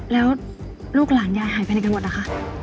แล้วลูกหลานยายหายไปไหนกันหมดนะคะ